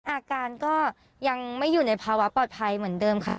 อาการก็ยังไม่อยู่ในภาวะปลอดภัยเหมือนเดิมค่ะ